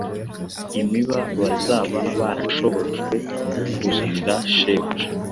imiba bazaba barashobojwe kuzanira Shebuja